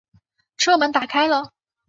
车门打开了